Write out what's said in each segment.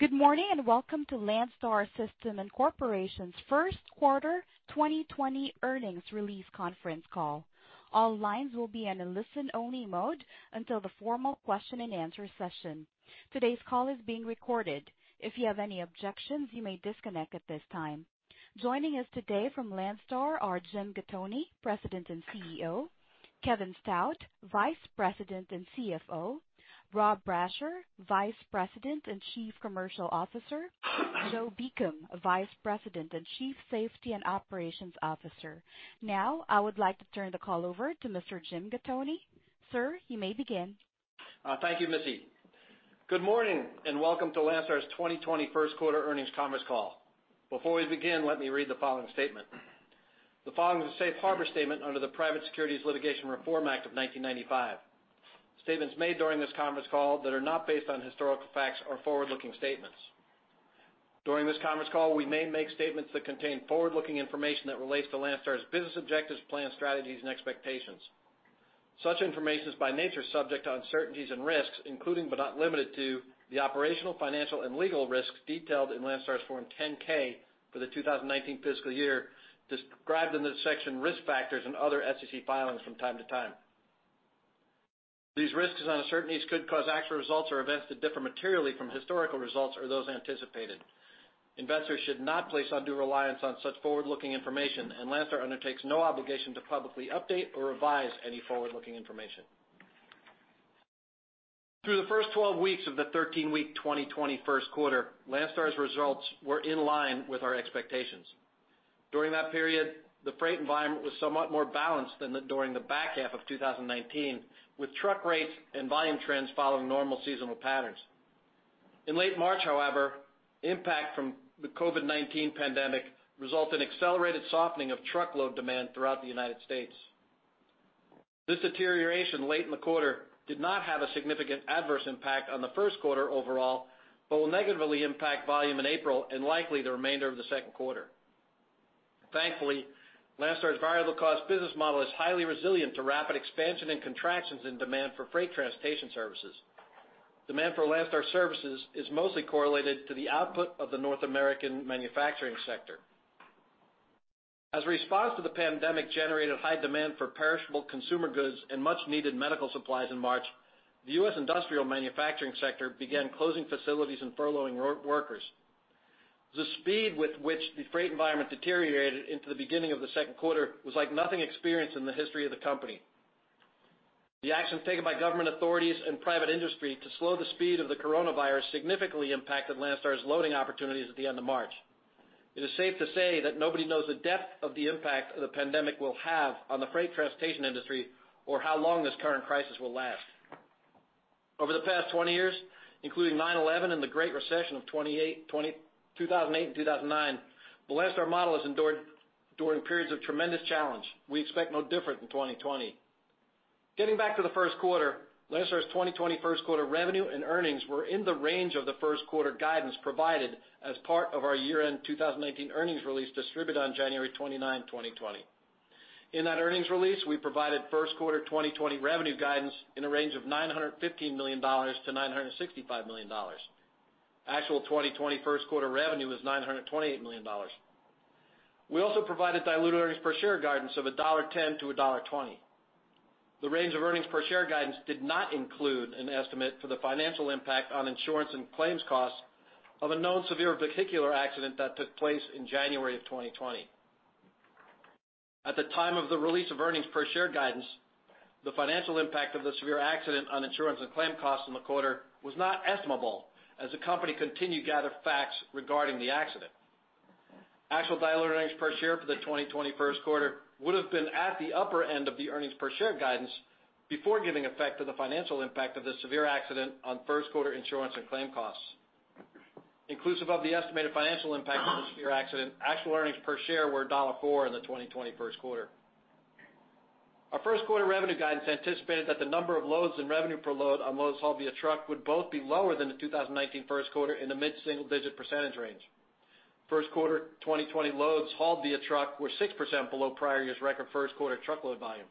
Good morning, and welcome to Landstar System, Inc.'s First Quarter 2020 Earnings Release Conference call. All lines will be in a listen-only mode until the formal question-and-answer session. Today's call is being recorded. If you have any objections, you may disconnect at this time. Joining us today from Landstar are Jim Gattoni, President and CEO. Kevin Stout, Vice President and CFO. Rob Brasher, Vice President and Chief Commercial Officer. Joe Beacom, Vice President and Chief Safety and Operations Officer. Now, I would like to turn the call over to Mr. Jim Gattoni. Sir, you may begin. Thank you, Missy. Good morning, and welcome to Landstar's 2021 First Quarter Earnings Conference Call. Before we begin, let me read the following statement. The following is a safe harbor statement under the Private Securities Litigation Reform Act of 1995. Statements made during this conference call that are not based on historical facts are forward-looking statements. During this conference call, we may make statements that contain forward-looking information that relates to Landstar's business objectives, plans, strategies, and expectations. Such information is, by nature, subject to uncertainties and risks, including, but not limited to, the operational, financial, and legal risks detailed in Landstar's Form 10-K for the 2019 fiscal year, described in the section Risk Factors and other SEC filings from time to time. These risks and uncertainties could cause actual results or events to differ materially from historical results or those anticipated. Investors should not place undue reliance on such forward-looking information, and Landstar undertakes no obligation to publicly update or revise any forward-looking information. Through the first 12 weeks of the 13-week 2021 first quarter, Landstar's results were in line with our expectations. During that period, the freight environment was somewhat more balanced than during the back half of 2019, with truck rates and volume trends following normal seasonal patterns. In late March, however, impact from the COVID-19 pandemic resulted in accelerated softening of truckload demand throughout the United States. This deterioration late in the quarter did not have a significant adverse impact on the first quarter overall, but will negatively impact volume in April and likely the remainder of the second quarter. Thankfully, Landstar's variable cost business model is highly resilient to rapid expansion and contractions in demand for freight transportation services. Demand for Landstar services is mostly correlated to the output of the North American manufacturing sector. As a response to the pandemic-generated high demand for perishable consumer goods and much-needed medical supplies in March, the U.S. industrial manufacturing sector began closing facilities and furloughing road workers. The speed with which the freight environment deteriorated into the beginning of the second quarter was like nothing experienced in the history of the company. The actions taken by government authorities and private industry to slow the speed of the coronavirus significantly impacted Landstar's loading opportunities at the end of March. It is safe to say that nobody knows the depth of the impact the pandemic will have on the freight transportation industry or how long this current crisis will last. Over the past 20 years, including 9/11 and the Great Recession of 2008 and 2009, the Landstar model has endured during periods of tremendous challenge. We expect no different in 2020. Getting back to the first quarter, Landstar's 2020 first quarter revenue and earnings were in the range of the first quarter guidance provided as part of our year-end 2018 earnings release distributed on January 29, 2020. In that earnings release, we provided first quarter 2020 revenue guidance in a range of $915 million-$965 million. Actual 2020 first quarter revenue was $928 million. We also provided diluted earnings per share guidance of $1.10-$1.20. The range of earnings per share guidance did not include an estimate for the financial impact on insurance and claims costs of a known severe vehicular accident that took place in January of 2020. At the time of the release of earnings per share guidance, the financial impact of the severe accident on insurance and claim costs in the quarter was not estimable as the company continued to gather facts regarding the accident. Actual diluted earnings per share for the 2020 first quarter would have been at the upper end of the earnings per share guidance before giving effect to the financial impact of the severe accident on first quarter insurance and claim costs. Inclusive of the estimated financial impact of the severe accident, actual earnings per share were $1.04 in the 2020 first quarter. Our first quarter revenue guidance anticipated that the number of loads and revenue per load on loads hauled via truck would both be lower than the 2019 first quarter in the mid-single-digit percentage range. First quarter 2020 loads hauled via truck were 6% below prior year's record first quarter truckload volume.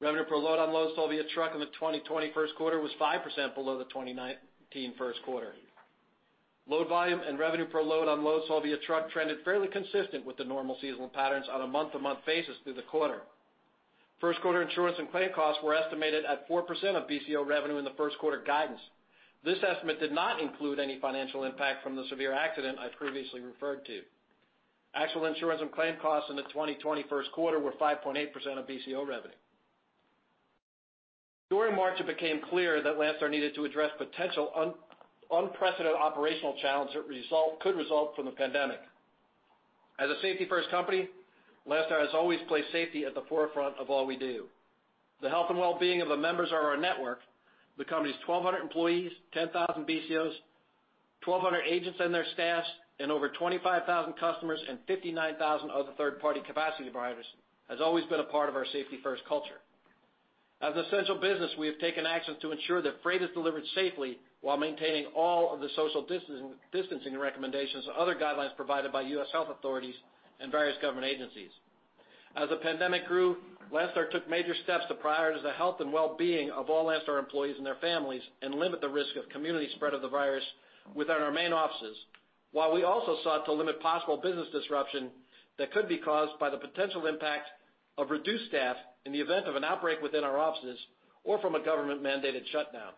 Revenue per load on loads hauled via truck in the 2020 first quarter was 5% below the 2019 first quarter. Load volume and revenue per load on loads hauled via truck trended fairly consistent with the normal seasonal patterns on a month-to-month basis through the quarter. First quarter insurance and claim costs were estimated at 4% of BCO revenue in the first quarter guidance. This estimate did not include any financial impact from the severe accident I previously referred to. Actual insurance and claim costs in the 2021 first quarter were 5.8% of BCO revenue. During March, it became clear that Landstar needed to address potential unprecedented operational challenges that could result from the pandemic. As a safety-first company, Landstar has always placed safety at the forefront of all we do. The health and well-being of the members of our network, the company's 1,200 employees, 10,000 BCOs, 1,200 agents and their staffs, and over 25,000 customers, and 59,000 other third-party capacity providers, has always been a part of our safety-first culture. As an essential business, we have taken actions to ensure that freight is delivered safely while maintaining all of the social distancing recommendations and other guidelines provided by U.S. health authorities and various government agencies. As the pandemic grew, Landstar took major steps to prioritize the health and well-being of all Landstar employees and their families, and limit the risk of community spread of the virus within our main offices, while we also sought to limit possible business disruption that could be caused by the potential impact of reduced staff in the event of an outbreak within our offices or from a government-mandated shutdown.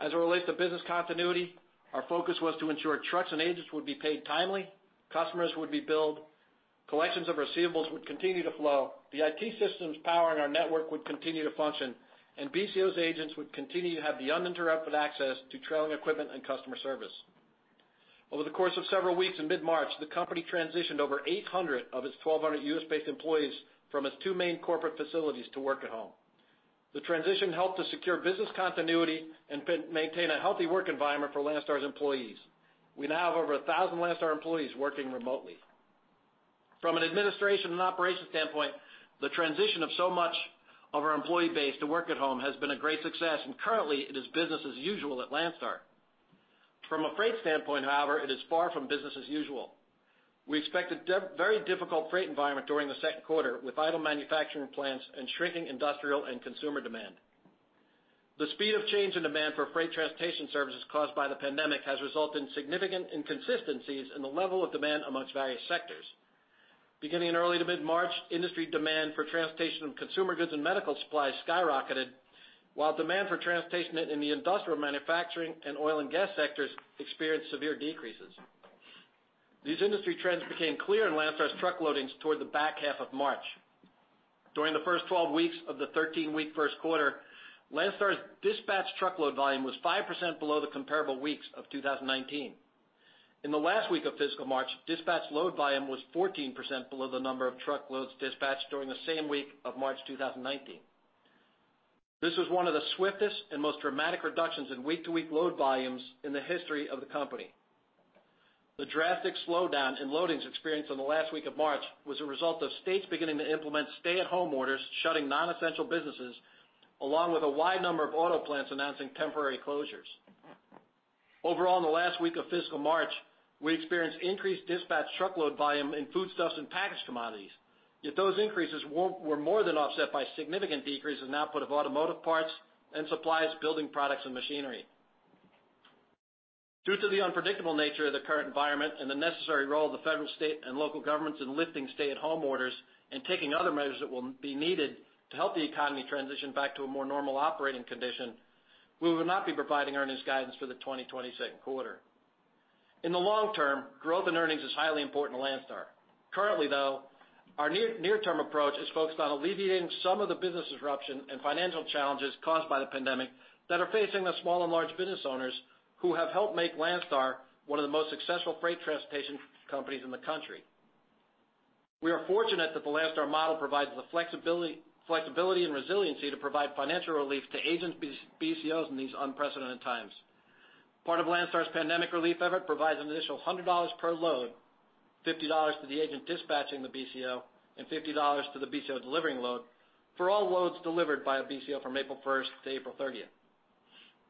As it relates to business continuity, our focus was to ensure trucks and agents would be paid timely, customers would be billed, collections of receivables would continue to flow, the IT systems power and our network would continue to function, and BCOs agents would continue to have the uninterrupted access to trailing equipment and customer service. Over the course of several weeks in mid-March, the company transitioned over 800 of its 1,200 U.S.-based employees from its two main corporate facilities to work at home. The transition helped to secure business continuity and maintain a healthy work environment for Landstar's employees. We now have over 1,000 Landstar employees working remotely. From an administration and operations standpoint, the transition of so much of our employee base to work at home has been a great success, and currently, it is business as usual at Landstar. From a freight standpoint, however, it is far from business as usual. We expect a very difficult freight environment during the second quarter, with idle manufacturing plants and shrinking industrial and consumer demand. The speed of change in demand for freight transportation services caused by the pandemic has resulted in significant inconsistencies in the level of demand amongst various sectors. Beginning in early to mid-March, industry demand for transportation of consumer goods and medical supplies skyrocketed, while demand for transportation in the industrial, manufacturing, and oil and gas sectors experienced severe decreases. These industry trends became clear in Landstar's truck loadings toward the back half of March. During the first 12 weeks of the 13-week first quarter, Landstar's dispatched truckload volume was 5% below the comparable weeks of 2019. In the last week of fiscal March, dispatched load volume was 14% below the number of truckloads dispatched during the same week of March 2019. This was one of the swiftest and most dramatic reductions in week-to-week load volumes in the history of the company. The drastic slowdown in loadings experienced in the last week of March was a result of states beginning to implement stay-at-home orders, shutting non-essential businesses, along with a wide number of auto plants announcing temporary closures. Overall, in the last week of fiscal March, we experienced increased dispatched truckload volume in foodstuffs and packaged commodities, yet those increases were more than offset by significant decreases in output of automotive parts and supplies, building products, and machinery. Due to the unpredictable nature of the current environment and the necessary role of the federal, state, and local governments in lifting stay-at-home orders and taking other measures that will be needed to help the economy transition back to a more normal operating condition, we will not be providing earnings guidance for the 2020 second quarter. In the long term, growth in earnings is highly important to Landstar. Currently, though, our near-term approach is focused on alleviating some of the business disruption and financial challenges caused by the pandemic that are facing the small and large business owners who have helped make Landstar one of the most successful freight transportation companies in the country. We are fortunate that the Landstar model provides the flexibility and resiliency to provide financial relief to agents, BCOs in these unprecedented times. Part of Landstar's pandemic relief effort provides an initial $100 per load, $50 to the agent dispatching the BCO and $50 to the BCO delivering the load, for all loads delivered by a BCO from April 1 to April 30.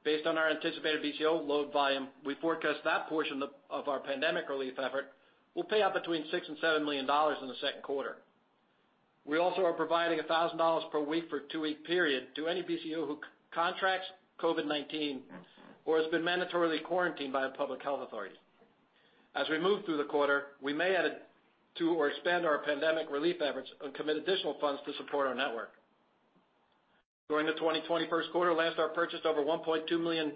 Based on our anticipated BCO load volume, we forecast that portion of our pandemic relief effort will pay out between $6 million and $7 million in the second quarter. We also are providing $1,000 per week for a two-week period to any BCO who contracts COVID-19 or has been mandatorily quarantined by a public health authority. As we move through the quarter, we may add to or expand our pandemic relief efforts and commit additional funds to support our network. During the 2021 first quarter, Landstar purchased over 1.2 million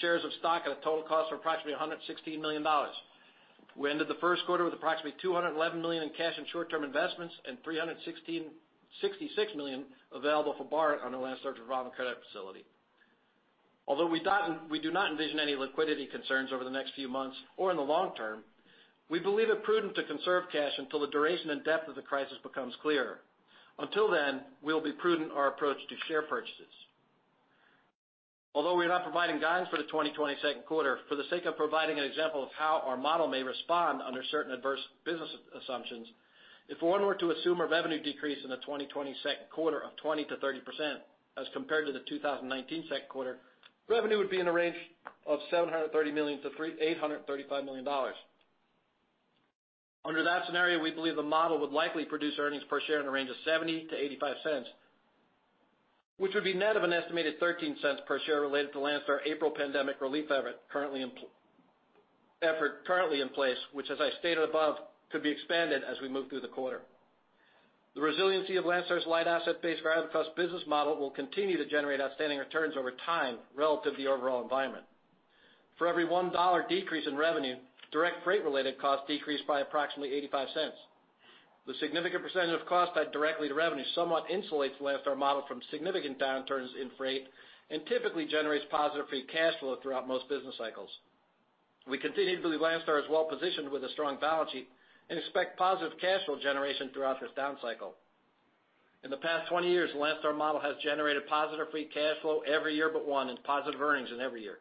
shares of stock at a total cost of approximately $116 million. We ended the first quarter with approximately $211 million in cash and short-term investments, and $66 million available for borrow on the Landstar revolving credit facility. Although we do not envision any liquidity concerns over the next few months or in the long term, we believe it prudent to conserve cash until the duration and depth of the crisis becomes clearer. Until then, we'll be prudent in our approach to share purchases. Although we're not providing guidance for the 2022 second quarter, for the sake of providing an example of how our model may respond under certain adverse business assumptions, if one were to assume a revenue decrease in the 2022 second quarter of 20%-30% as compared to the 2019 second quarter, revenue would be in the range of $730 million-$835 million. Under that scenario, we believe the model would likely produce earnings per share in the range of $0.70-$0.85, which would be net of an estimated $0.13 per share related to Landstar April pandemic relief effort, currently in place, which, as I stated above, could be expanded as we move through the quarter. The resiliency of Landstar's light asset-based driver-first business model will continue to generate outstanding returns over time relative to the overall environment. For every $1 decrease in revenue, direct freight-related costs decrease by approximately $0.85. The significant percentage of costs tied directly to revenue somewhat insulates the Landstar model from significant downturns in freight and typically generates positive free cash flow throughout most business cycles. We continue to believe Landstar is well positioned with a strong balance sheet and expect positive cash flow generation throughout this down cycle. In the past 20 years, the Landstar model has generated positive free cash flow every year but one, and positive earnings in every year.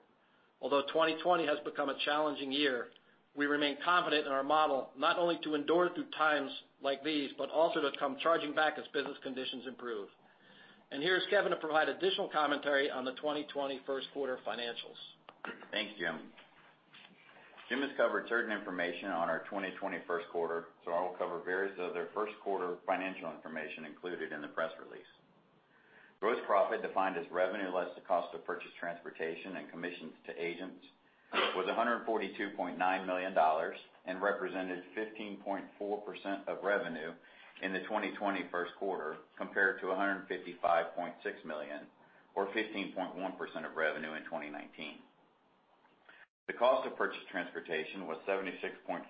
Although 2020 has become a challenging year, we remain confident in our model, not only to endure through times like these, but also to come charging back as business conditions improve. Here is Kevin to provide additional commentary on the 2021 first quarter financials. Thank you, Jim.... Jim has covered certain information on our 2021 first quarter, so I will cover various other first quarter financial information included in the press release. Gross profit, defined as revenue less the cost of purchased transportation and commissions to agents, was $142.9 million and represented 15.4% of revenue in the 2021 first quarter, compared to $155.6 million, or 15.1% of revenue in 2019. The cost of purchased transportation was 76.5%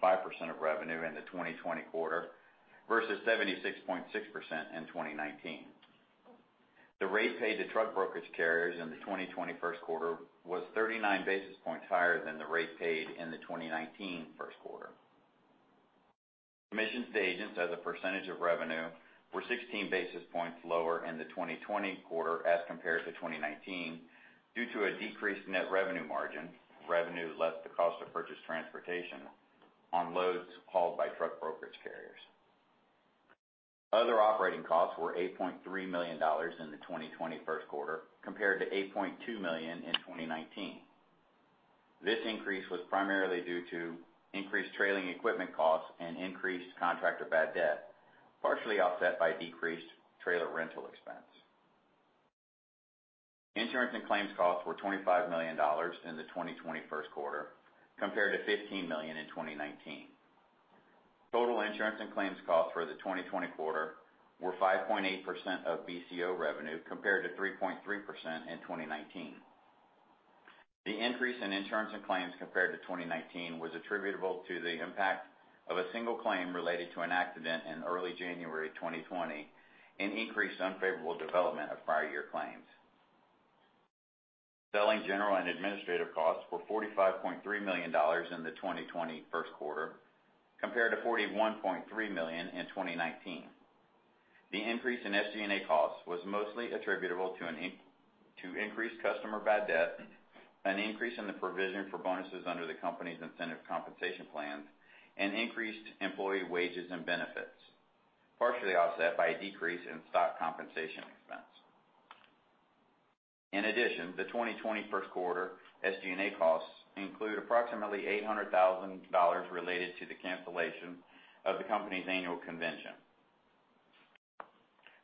of revenue in the 2020 quarter versus 76.6% in 2019. The rate paid to truck brokerage carriers in the 2021 first quarter was 39 basis points higher than the rate paid in the 2019 first quarter. Commissions to agents as a percentage of revenue were 16 basis points lower in the 2020 quarter as compared to 2019, due to a decreased net revenue margin, revenue less the cost of purchased transportation on loads hauled by truck brokerage carriers. Other operating costs were $8.3 million in the 2020 first quarter, compared to $8.2 million in 2019. This increase was primarily due to increased trailing equipment costs and increased contractor bad debt, partially offset by decreased trailer rental expense. Insurance and claims costs were $25 million in the 2020 first quarter, compared to $15 million in 2019. Total insurance and claims costs for the 2020 quarter were 5.8% of BCO revenue, compared to 3.3% in 2019. The increase in insurance and claims compared to 2019 was attributable to the impact of a single claim related to an accident in early January 2020, and increased unfavorable development of prior year claims. Selling, general, and administrative costs were $45.3 million in the 2021 first quarter, compared to $41.3 million in 2019. The increase in SG&A costs was mostly attributable to to increased customer bad debt, an increase in the provision for bonuses under the company's incentive compensation plans, and increased employee wages and benefits, partially offset by a decrease in stock compensation expense. In addition, the 2021 first quarter SG&A costs include approximately $800,000 related to the cancellation of the company's annual convention.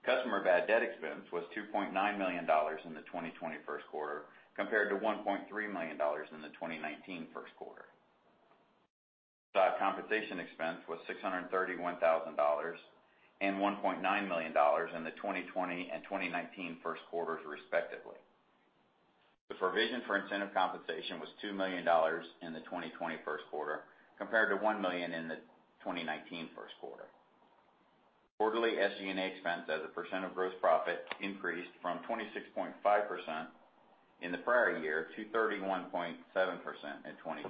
Customer bad debt expense was $2.9 million in the 2021 first quarter, compared to $1.3 million in the 2019 first quarter. Stock compensation expense was $631,000 and $1.9 million in the 2020 and 2019 first quarters, respectively. The provision for incentive compensation was $2 million in the 2021 first quarter, compared to $1 million in the 2019 first quarter. Quarterly SG&A expense as a percent of gross profit increased from 26.5% in the prior year to 31.7% in 2020.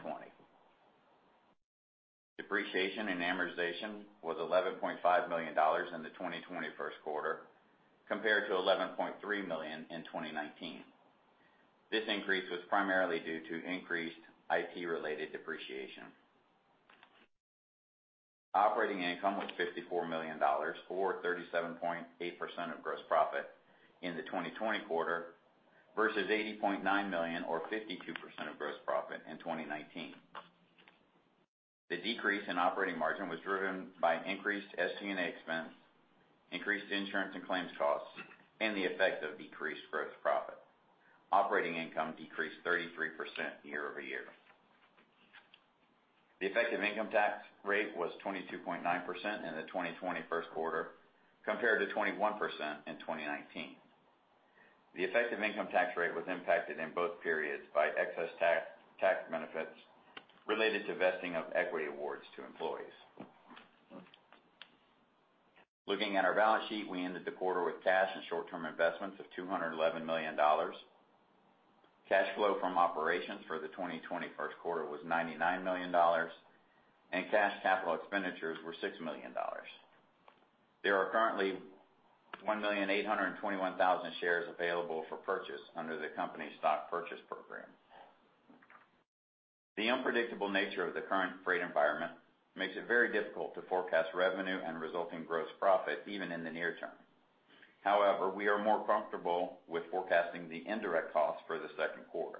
Depreciation and amortization was $11.5 million in the 2021 first quarter, compared to $11.3 million in 2019. This increase was primarily due to increased IT-related depreciation. Operating income was $54 million, or 37.8% of gross profit in the 2020 quarter, versus $80.9 million or 52% of gross profit in 2019. The decrease in operating margin was driven by an increased SG&A expense, increased insurance and claims costs, and the effect of decreased gross profit. Operating income decreased 33% year-over-year. The effective income tax rate was 22.9% in the 2020 first quarter, compared to 21% in 2019. The effective income tax rate was impacted in both periods by excess tax benefits related to vesting of equity awards to employees. Looking at our balance sheet, we ended the quarter with cash and short-term investments of $211 million. Cash flow from operations for the 2021 first quarter was $99 million, and cash capital expenditures were $6 million. There are currently 1,821,000 shares available for purchase under the company's stock purchase program. The unpredictable nature of the current freight environment makes it very difficult to forecast revenue and resulting gross profit, even in the near term. However, we are more comfortable with forecasting the indirect costs for the second quarter.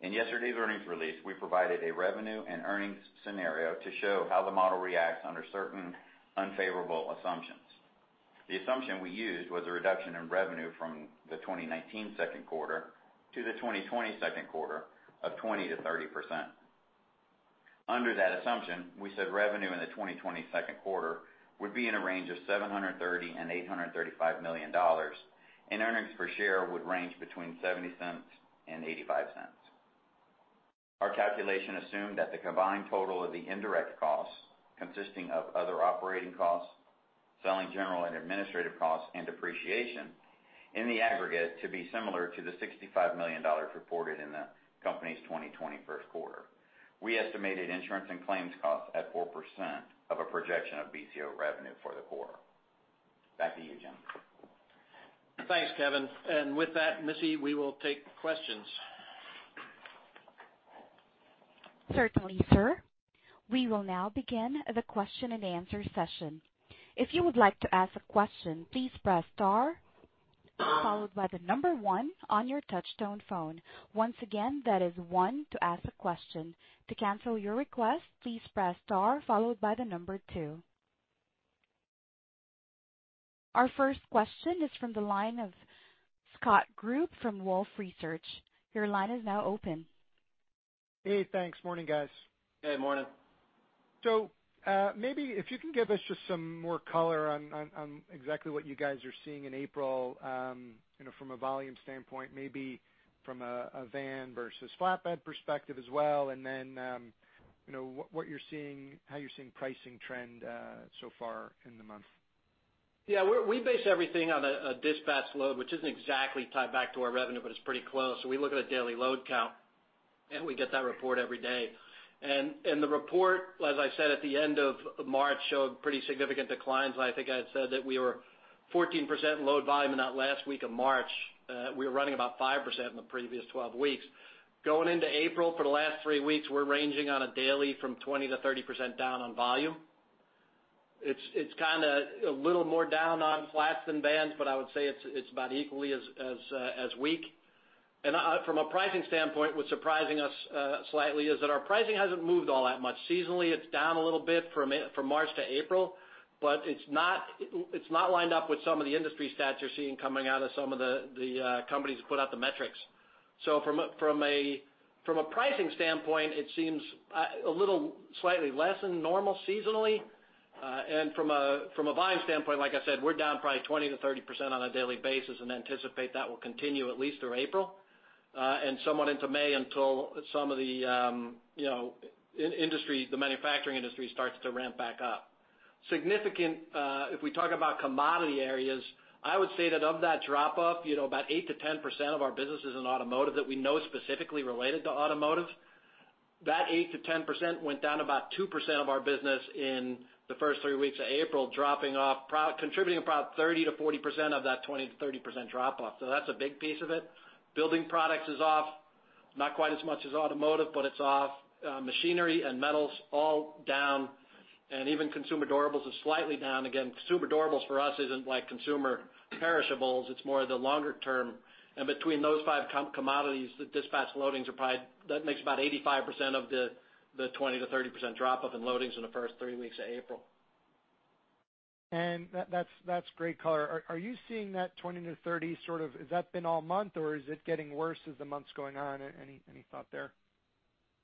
In yesterday's earnings release, we provided a revenue and earnings scenario to show how the model reacts under certain unfavorable assumptions. The assumption we used was a reduction in revenue from the 2019 second quarter to the 2020 second quarter of 20%-30%. Under that assumption, we said revenue in the 2022 second quarter would be in a range of $730 million-$835 million, and earnings per share would range between $0.70 and $0.85. Our calculation assumed that the combined total of the indirect costs, consisting of other operating costs, selling, general, and administrative costs, and depreciation, in the aggregate, to be similar to the $65 million reported in the company's 2021 first quarter. We estimated insurance and claims costs at 4% of a projection of BCO revenue for the quarter. Back to you, Jim. Thanks, Kevin, and with that, Missy, we will take questions. Certainly. We will now begin the question and answer session. If you would like to ask a question, please press star, followed by the number one on your touchtone phone. Once again, that is one to ask a question. To cancel your request, please press star followed by the number two. Our first question is from the line of Scott Group from Wolfe Research. Your line is now open. Hey, thanks. Morning, guys. Hey, morning. So, maybe if you can give us just some more color on exactly what you guys are seeing in April, you know, from a volume standpoint, maybe from a van versus flatbed perspective as well. And then, you know, what you're seeing, how you're seeing pricing trend so far in the month. Yeah, we base everything on a dispatch load, which isn't exactly tied back to our revenue, but it's pretty close. So we look at a daily load count, and we get that report every day. And the report, as I said, at the end of March, showed pretty significant declines. I think I had said that we were 14% load volume in that last week of March. We were running about 5% in the previous 12 weeks. Going into April, for the last three weeks, we're ranging on a daily from 20%-30% down on volume. It's kind of a little more down on flats than vans, but I would say it's about equally as weak. And from a pricing standpoint, what's surprising us slightly is that our pricing hasn't moved all that much. Seasonally, it's down a little bit from March to April, but it's not lined up with some of the industry stats you're seeing coming out of some of the companies who put out the metrics. So from a pricing standpoint, it seems a little slightly less than normal seasonally. And from a volume standpoint, like I said, we're down probably 20%-30% on a daily basis and anticipate that will continue at least through April and somewhat into May, until some of the industry, the manufacturing industry starts to ramp back up. Significant, if we talk about commodity areas, I would say that of that drop off, you know, about 8%-10% of our business is in automotive, that we know is specifically related to automotive. That 8%-10% went down about 2% of our business in the first three weeks of April, dropping off, contributing about 30%-40% of that 20%-30% drop off. So that's a big piece of it. Building products is off, not quite as much as automotive, but it's off. Machinery and metals, all down, and even consumer durables is slightly down. Again, consumer durables for us isn't like consumer perishables. It's more the longer term. Between those five commodities, the dispatch loadings are probably... That makes about 85% of the 20%-30% drop off in loadings in the first three weeks of April. That's great color. Are you seeing that 20-30 sort of? Has that been all month, or is it getting worse as the months going on? Any thought there?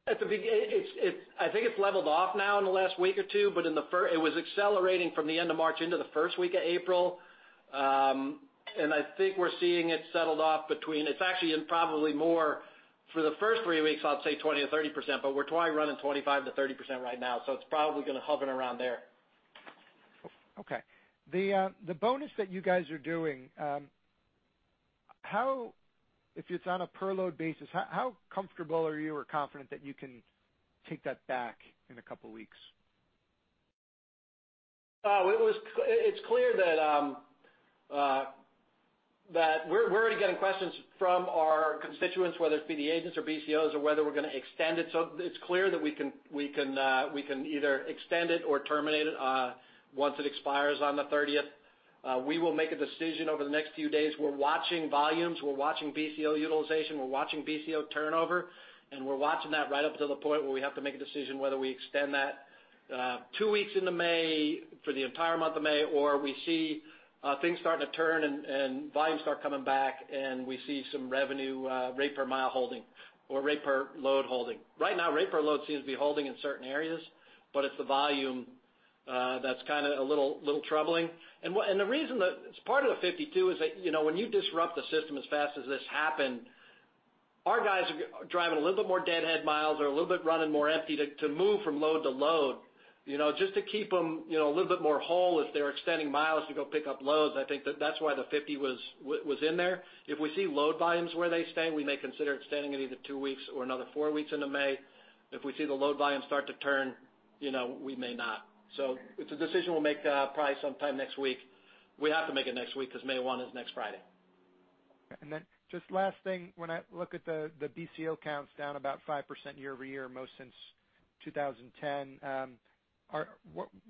At the beginning, it's, I think it's leveled off now in the last week or two, but in the first, it was accelerating from the end of March into the first week of April. And I think we're seeing it settled off between, it's actually in probably more for the first three weeks, I'd say 20%-30%, but we're probably running 25%-30% right now, so it's probably gonna hovering around there. Okay. The bonus that you guys are doing, if it's on a per load basis, how comfortable are you or confident that you can take that back in a couple weeks? It's clear that we're already getting questions from our constituents, whether it be the agents or BCOs, or whether we're going to extend it. So it's clear that we can either extend it or terminate it once it expires on the thirtieth. We will make a decision over the next few days. We're watching volumes, we're watching BCO utilization, we're watching BCO turnover, and we're watching that right up until the point where we have to make a decision whether we extend that two weeks into May for the entire month of May, or we see things starting to turn and volumes start coming back, and we see some revenue rate per mile holding or rate per load holding. Right now, rate per load seems to be holding in certain areas, but it's the volume that's kind of a little, little troubling. And the reason that it's part of the 50 too is that, you know, when you disrupt the system as fast as this happened, our guys are driving a little bit more deadhead miles or a little bit running more empty to move from load to load, you know, just to keep them, you know, a little bit more whole as they're extending miles to go pick up loads. I think that that's why the 50 was in there. If we see load volumes where they stay, we may consider extending it either 2 weeks or another 4 weeks into May. If we see the load volumes start to turn, you know, we may not. It's a decision we'll make, probably sometime next week. We have to make it next week because May 1 is next Friday. Then just last thing, when I look at the BCO counts down about 5% year-over-year, most since 2010.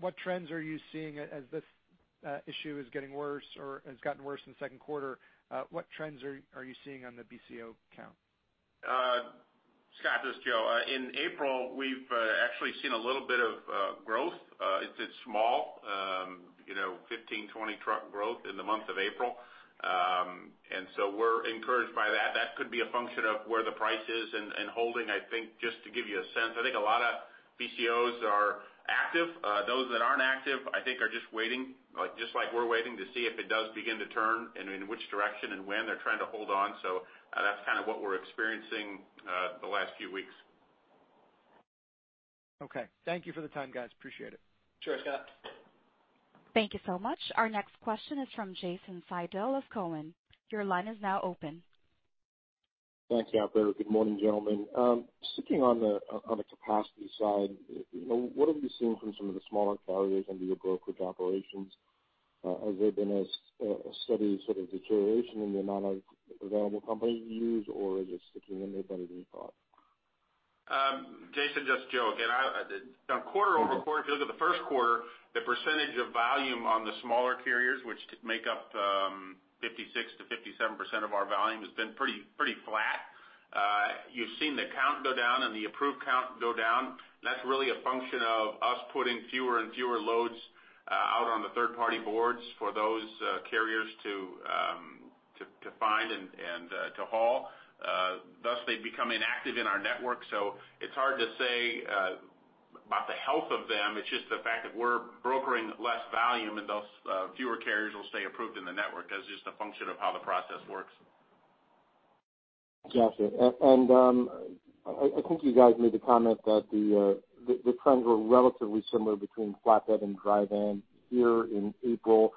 What trends are you seeing as this issue is getting worse or has gotten worse in the second quarter? What trends are you seeing on the BCO count? Scott, this is Joe. In April, we've actually seen a little bit of growth. It's small, you know, 15, 20 truck growth in the month of April. So we're encouraged by that. That could be a function of where the price is and holding, I think, just to give you a sense. I think a lot of BCOs are active. Those that aren't active, I think are just waiting, like, just like we're waiting to see if it does begin to turn, and in which direction and when. They're trying to hold on. So, that's kind of what we're experiencing, the last few weeks. Okay. Thank you for the time, guys. Appreciate it. Sure, Scott. Thank you so much. Our next question is from Jason Seidl of Cowen. Your line is now open. Thanks, operator. Good morning, gentlemen. Sticking on the capacity side, you know, what have you seen from some of the smaller carriers under your brokerage operations? ... has there been a steady sort of deterioration in the amount of available companies you use, or is it sticking in there better than you thought? Jason, just Joe. Again, on quarter-over-quarter, if you look at the first quarter, the percentage of volume on the smaller carriers, which could make up 56%-57% of our volume, has been pretty, pretty flat. You've seen the count go down and the approved count go down. That's really a function of us putting fewer and fewer loads out on the third party boards for those carriers to find and to haul. Thus they become inactive in our network. So it's hard to say about the health of them, it's just the fact that we're brokering less volume, and thus, fewer carriers will stay approved in the network. That's just a function of how the process works. Got you. I think you guys made the comment that the trends were relatively similar between flatbed and dry van here in April.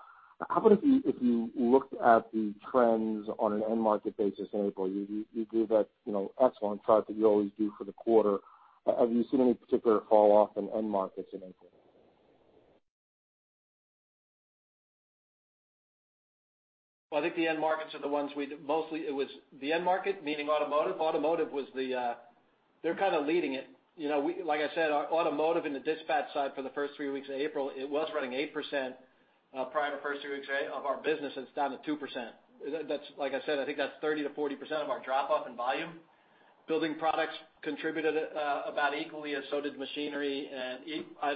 How about if you looked at the trends on an end market basis in April? You gave that, you know, excellent chart that you always do for the quarter. Have you seen any particular falloff in end markets in April? Well, I think the end markets are the ones we mostly, it was the end market, meaning automotive. Automotive was the, they're kind of leading it. You know, like I said, our automotive in the dispatch side for the first three weeks of April, it was running 8%, prior to the first two weeks of our business, it's down to 2%. That's, like I said, I think that's 30%-40% of our drop off in volume. Building products contributed about equally, and so did machinery, and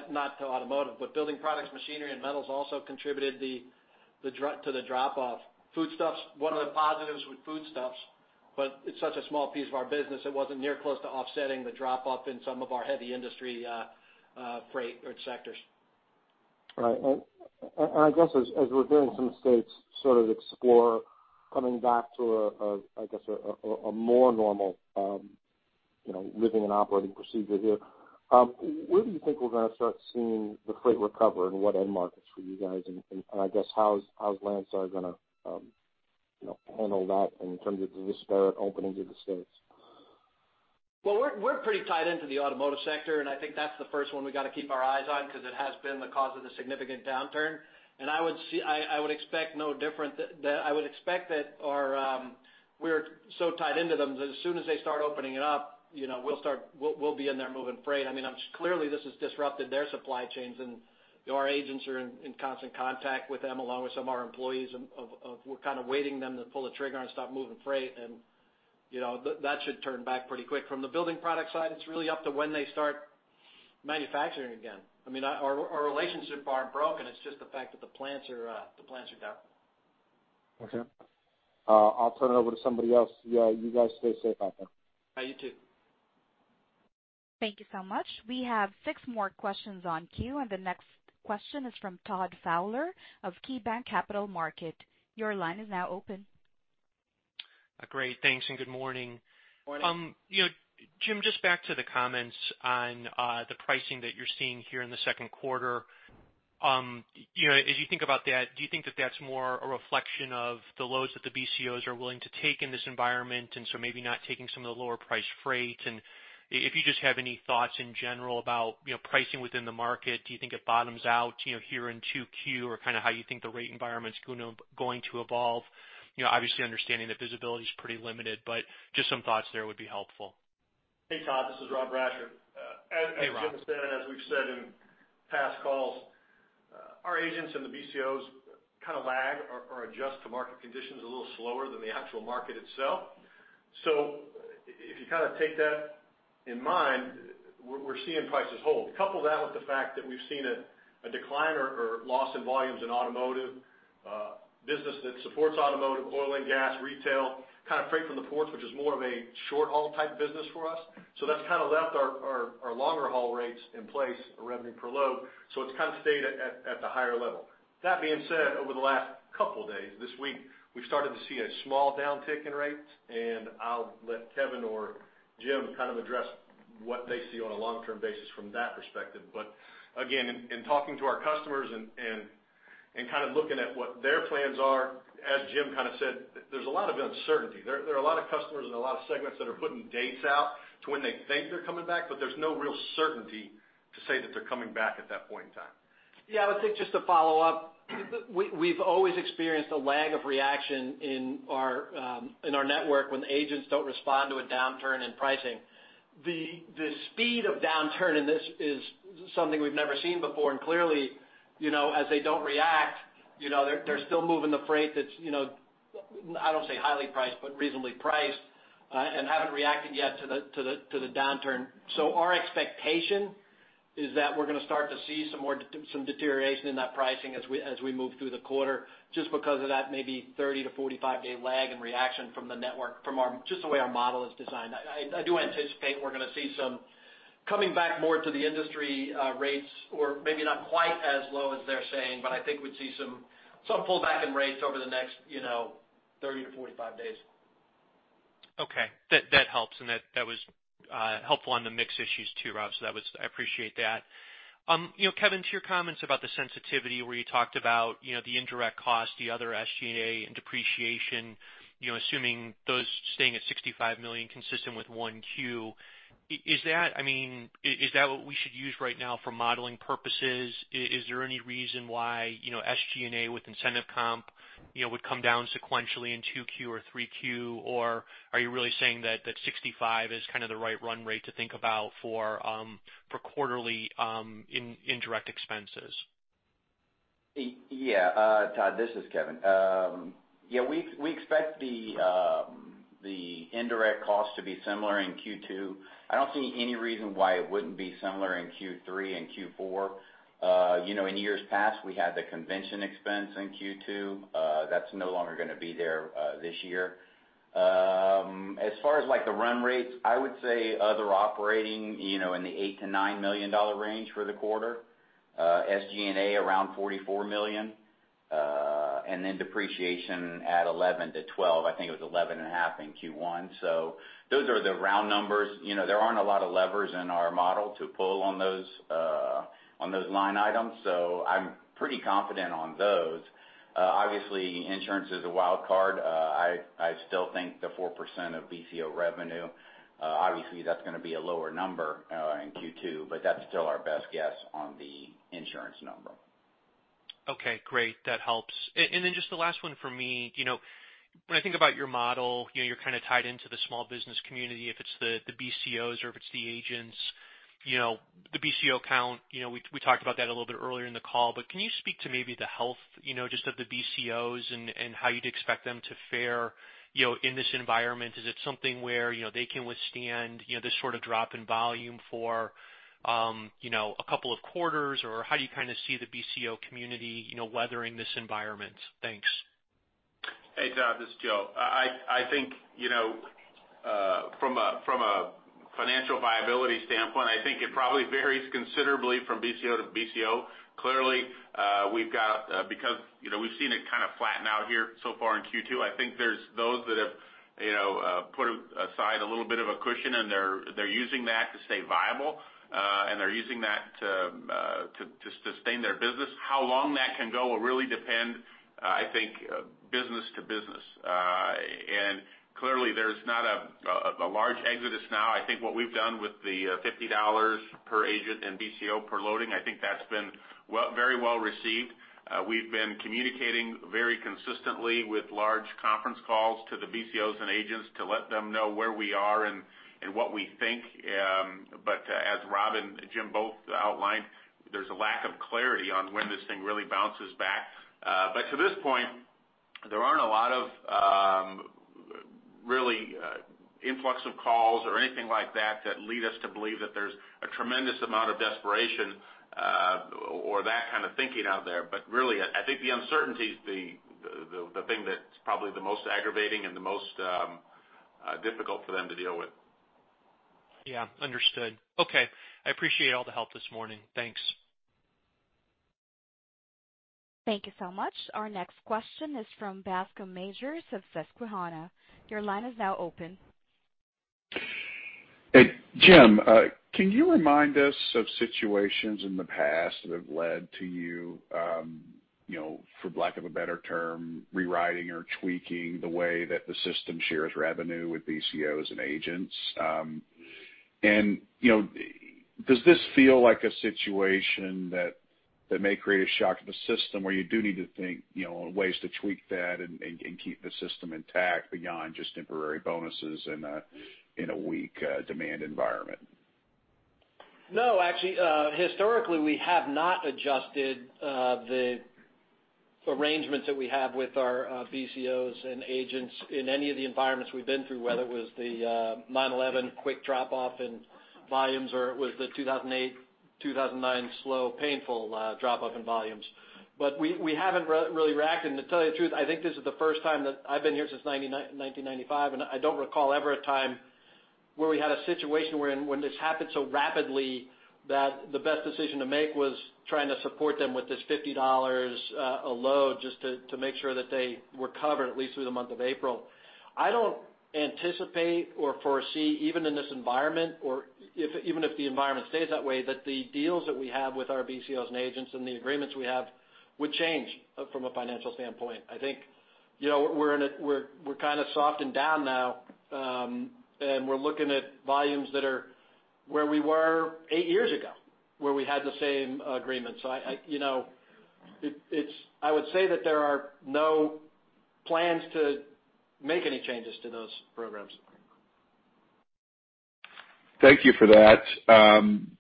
not to automotive, but building products, machinery, and metals also contributed to the drop off. Foodstuffs, one of the positives with foodstuffs, but it's such a small piece of our business, it wasn't near close to offsetting the drop off in some of our heavy industry, freight or sectors. Right. And I guess as we're hearing some states sort of explore coming back to a more normal, you know, living and operating procedure here, where do you think we're going to start seeing the freight recover and what end markets for you guys? And I guess, how is Landstar going to, you know, handle that in terms of the disparate opening of the states? Well, we're pretty tied into the automotive sector, and I think that's the first one we got to keep our eyes on because it has been the cause of the significant downturn. And I would see... I would expect no different, that I would expect that our, we're so tied into them, that as soon as they start opening it up, you know, we'll start, we'll be in there moving freight. I mean, obviously, clearly, this has disrupted their supply chains, and our agents are in constant contact with them, along with some of our employees, and of, we're kind of waiting them to pull the trigger and start moving freight. And, you know, that should turn back pretty quick. From the building product side, it's really up to when they start manufacturing again. I mean, our relationship aren't broken. It's just the fact that the plants are down. Okay. I'll turn it over to somebody else. You, you guys stay safe out there. You too. Thank you so much. We have six more questions in queue, and the next question is from Todd Fowler of KeyBanc Capital Markets. Your line is now open. Great, thanks, and good morning. Morning. You know, Jim, just back to the comments on the pricing that you're seeing here in the second quarter. You know, as you think about that, do you think that that's more a reflection of the loads that the BCOs are willing to take in this environment, and so maybe not taking some of the lower priced freight? And if you just have any thoughts in general about, you know, pricing within the market, do you think it bottoms out, you know, here in 2Q, or kind of how you think the rate environment's going to evolve? You know, obviously, understanding that visibility is pretty limited, but just some thoughts there would be helpful. Hey, Todd, this is Rob Brasher. Hey, Rob. As Jim said, as we've said in past calls, our agents and the BCOs kind of lag or adjust to market conditions a little slower than the actual market itself. So if you kind of take that in mind, we're seeing prices hold. Couple that with the fact that we've seen a decline or loss in volumes in automotive, business that supports automotive, oil and gas, retail, kind of freight from the ports, which is more of a short-haul type business for us. So that's kind of left our longer haul rates in place, our revenue per load, so it's kind of stayed at the higher level. That being said, over the last couple of days this week, we've started to see a small downtick in rates, and I'll let Kevin or Jim kind of address what they see on a long-term basis from that perspective. But again, in talking to our customers and kind of looking at what their plans are, as Jim kind of said, there's a lot of uncertainty. There are a lot of customers and a lot of segments that are putting dates out to when they think they're coming back, but there's no real certainty to say that they're coming back at that point in time. Yeah, I would think just to follow up, we, we've always experienced a lag of reaction in our, in our network when agents don't respond to a downturn in pricing. The, the speed of downturn in this is something we've never seen before, and clearly, you know, as they don't react, you know, they're, they're still moving the freight that's, you know, I don't want to say highly priced, but reasonably priced, and haven't reacted yet to the, to the, to the downturn. So our expectation is that we're going to start to see some more some deterioration in that pricing as we, as we move through the quarter, just because of that maybe 30-45 day lag in reaction from the network, from our, just the way our model is designed. I do anticipate we're going to see some coming back more to the industry rates or maybe not quite as low as they're saying, but I think we'd see some pullback in rates over the next, you know, 30-45 days. Okay. That, that helps, and that, that was helpful on the mix issues too, Rob, so that was... I appreciate that.... You know, Kevin, to your comments about the sensitivity, where you talked about, you know, the indirect cost, the other SG&A and depreciation, you know, assuming those staying at $65 million, consistent with 1Q, is that, I mean, is that what we should use right now for modeling purposes? Is there any reason why, you know, SG&A with incentive comp, you know, would come down sequentially in 2Q or 3Q? Or are you really saying that, that $65 million is kind of the right run rate to think about for, quarterly, indirect expenses? Yeah, Todd, this is Kevin. Yeah, we expect the indirect cost to be similar in Q2. I don't see any reason why it wouldn't be similar in Q3 and Q4. You know, in years past, we had the convention expense in Q2. That's no longer gonna be there this year. As far as like the run rates, I would say other operating, you know, in the $8-$9 million range for the quarter, SG&A around $44 million, and then depreciation at 11-12, I think it was 11.5 in Q1. So those are the round numbers. You know, there aren't a lot of levers in our model to pull on those, on those line items, so I'm pretty confident on those. Obviously, insurance is a wild card. I still think the 4% of BCO revenue, obviously, that's gonna be a lower number in Q2, but that's still our best guess on the insurance number. Okay, great. That helps. And then just the last one for me. You know, when I think about your model, you know, you're kind of tied into the small business community, if it's the BCOs or if it's the agents, you know, the BCO count, you know, we talked about that a little bit earlier in the call. But can you speak to maybe the health, you know, just of the BCOs and how you'd expect them to fare, you know, in this environment? Is it something where, you know, they can withstand, you know, this sort of drop in volume for, you know, a couple of quarters, or how do you kind of see the BCO community, you know, weathering this environment? Thanks. Hey, Todd, this is Joe. I think, you know, from a financial viability standpoint, I think it probably varies considerably from BCO to BCO. Clearly, we've got, because, you know, we've seen it kind of flatten out here so far in Q2, I think there's those that have, you know, put aside a little bit of a cushion, and they're using that to stay viable, and they're using that to sustain their business. How long that can go will really depend, I think, business to business. And clearly, there's not a large exodus now. I think what we've done with the $50 per agent and BCO per loading, I think that's been well, very well received. We've been communicating very consistently with large conference calls to the BCOs and agents to let them know where we are and what we think. But as Rob and Jim both outlined, there's a lack of clarity on when this thing really bounces back. But to this point, there aren't a lot of really an influx of calls or anything like that that lead us to believe that there's a tremendous amount of desperation or that kind of thinking out there. But really, I think the uncertainty is the thing that's probably the most aggravating and the most difficult for them to deal with. Yeah, understood. Okay, I appreciate all the help this morning. Thanks. Thank you so much. Our next question is from Bascome Majors of Susquehanna. Your line is now open. Hey, Jim, can you remind us of situations in the past that have led to you, you know, for lack of a better term, rewriting or tweaking the way that the system shares revenue with BCOs and agents? And, you know, does this feel like a situation that may create a shock to the system, where you do need to think, you know, on ways to tweak that and keep the system intact beyond just temporary bonuses in a weak demand environment? No, actually, historically, we have not adjusted the arrangements that we have with our BCOs and agents in any of the environments we've been through, whether it was the 9/11 quick drop-off in volumes, or it was the 2008, 2009 slow, painful drop-off in volumes. But we, we haven't really reacted. And to tell you the truth, I think this is the first time that I've been here since 1995, and I don't recall ever a time where we had a situation wherein when this happened so rapidly that the best decision to make was trying to support them with this $50 a load, just to make sure that they were covered at least through the month of April. I don't anticipate or foresee, even in this environment or if, even if the environment stays that way, that the deals that we have with our BCOs and agents and the agreements we have would change from a financial standpoint. I think, you know, we're kind of soft and down now, and we're looking at volumes that are where we were eight years ago, where we had the same agreements. So, you know, I would say that there are no plans to make any changes to those programs. Thank you for that. Can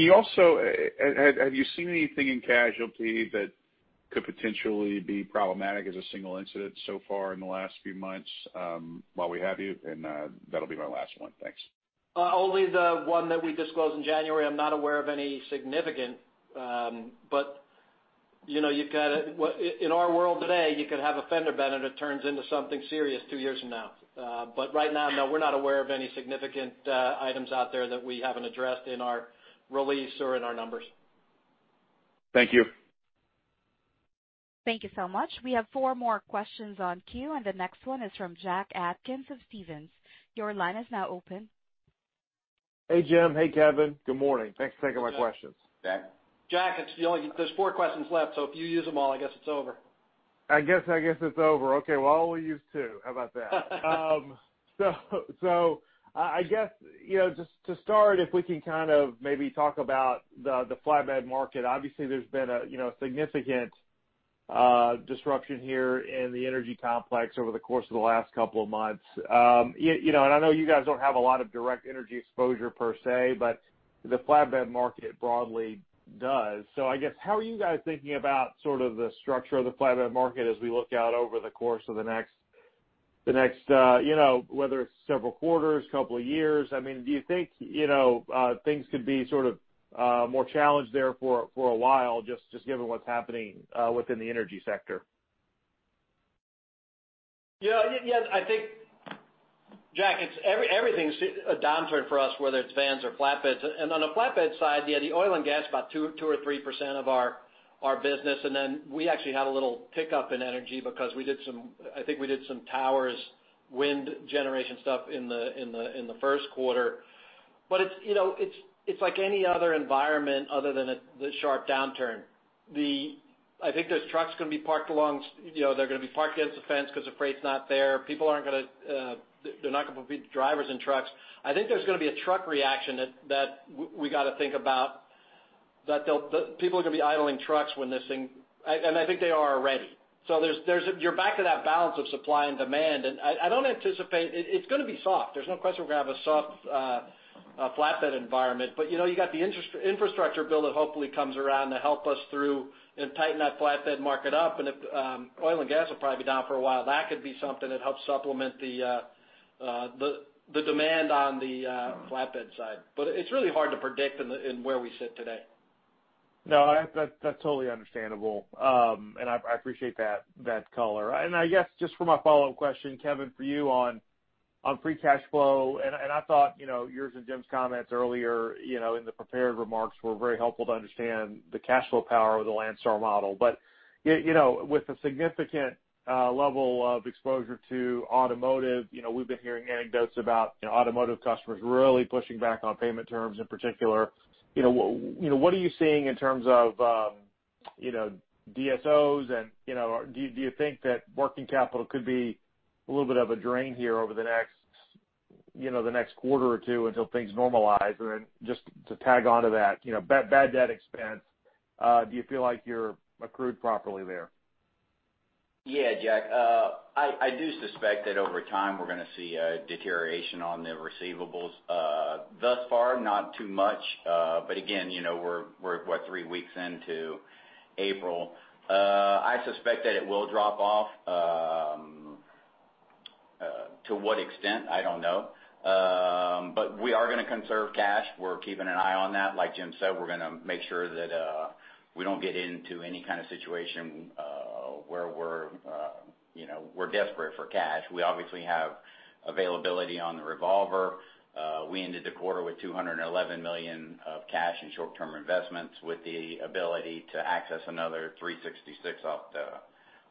you also have you seen anything in casualty that could potentially be problematic as a single incident so far in the last few months, while we have you? And, that'll be my last one. Thanks. Only the one that we disclosed in January. I'm not aware of any significant, but, you know, you've got, well, in our world today, you could have a fender bender, and it turns into something serious two years from now. But right now, no, we're not aware of any significant items out there that we haven't addressed in our release or in our numbers. Thank you. Thank you so much. We have four more questions in queue, and the next one is from Jack Atkins of Stephens. Your line is now open. Hey, Jim. Hey, Kevin. Good morning. Thanks for taking my questions. Jack. Jack, it's the only... There's four questions left, so if you use them all, I guess it's over. I guess, I guess it's over. Okay, well, I'll only use two. How about that? So, so I, I guess, you know, just to start, if we can kind of maybe talk about the, the flatbed market. Obviously, there's been a, you know, a significant disruption here in the energy complex over the course of the last couple of months. You know, and I know you guys don't have a lot of direct energy exposure per se, but the flatbed market broadly does. So I guess, how are you guys thinking about sort of the structure of the flatbed market as we look out over the course of the next, the next, you know, whether it's several quarters, couple of years? I mean, do you think, you know, things could be sort of more challenged there for a while, just given what's happening within the energy sector? Yeah, yeah, I think, Jack, it's everything's a downtrend for us, whether it's vans or flatbeds. And on the flatbed side, yeah, the oil and gas is about 2, 2 or 3% of our, our business. And then we actually had a little pickup in energy because we did some... I think we did some towers, wind generation stuff in the, in the, in the first quarter. But it's, you know, it's, it's like any other environment other than a, the sharp downturn. I think there's trucks going to be parked along, you know, they're going to be parked against the fence because the freight's not there. People aren't gonna, they're not going to put drivers in trucks. I think there's going to be a truck reaction that we got to think about, that the people are going to be idling trucks when this thing... And I think they are already. So there's you're back to that balance of supply and demand, and I don't anticipate... It's going to be soft. There's no question we're going to have a soft flatbed environment. But you know, you got the infrastructure bill that hopefully comes around to help us through and tighten that flatbed market up, and if oil and gas will probably be down for a while, that could be something that helps supplement the demand on the flatbed side. But it's really hard to predict in where we sit today. No, I... That's, that's totally understandable. And I appreciate that color. And I guess, just for my follow-up question, Kevin, for you on free cash flow, and I thought, you know, yours and Jim's comments earlier, you know, in the prepared remarks were very helpful to understand the cash flow power of the Landstar model. But you know, with a significant level of exposure to automotive, you know, we've been hearing anecdotes about automotive customers really pushing back on payment terms in particular. You know, what are you seeing in terms of, you know, DSOs and, you know, or do you think that working capital could be a little bit of a drain here over the next, you know, the next quarter or two until things normalize? Then just to tag on to that, you know, bad, bad debt expense, do you feel like you're accrued properly there? Yeah, Jack, I do suspect that over time, we're going to see a deterioration on the receivables. Thus far, not too much, but again, you know, we're what, three weeks into April. I suspect that it will drop off. To what extent? I don't know. But we are going to conserve cash. We're keeping an eye on that. Like Jim said, we're going to make sure that we don't get into any kind of situation where we're you know, we're desperate for cash. We obviously have availability on the revolver. We ended the quarter with $211 million of cash and short-term investments, with the ability to access another $366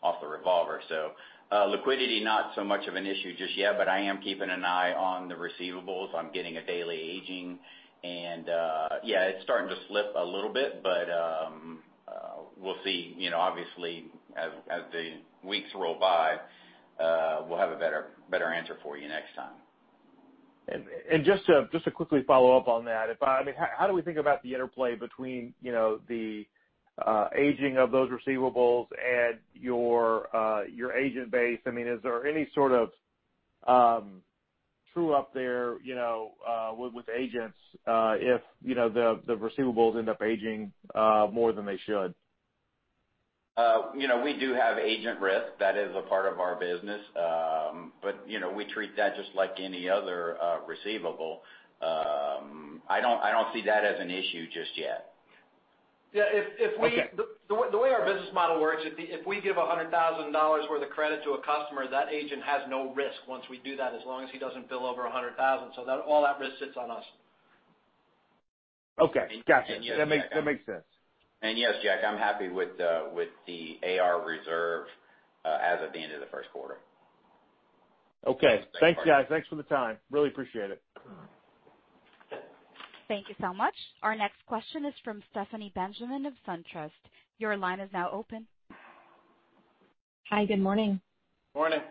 off the revolver. So, liquidity, not so much of an issue just yet, but I am keeping an eye on the receivables. I'm getting a daily aging, and, yeah, it's starting to slip a little bit, but, we'll see. You know, obviously, as the weeks roll by, we'll have a better answer for you next time. Just to quickly follow up on that, I mean, how do we think about the interplay between, you know, the aging of those receivables and your agent base? I mean, is there any sort of true up there, you know, with agents if, you know, the receivables end up aging more than they should? You know, we do have agent risk. That is a part of our business. But, you know, we treat that just like any other receivable. I don't, I don't see that as an issue just yet. Yeah, if we- Okay. The way our business model works, if we give $100,000 worth of credit to a customer, that agent has no risk once we do that, as long as he doesn't bill over $100,000. So that, all that risk sits on us. Okay, got you. Yes, Jack. That makes sense. And yes, Jack, I'm happy with the AR reserve as of the end of the first quarter. Okay. Thanks, guys. Thanks for the time. Really appreciate it. Thank you so much. Our next question is from Stephanie Benjamin of SunTrust. Your line is now open. Hi, good morning. Morning.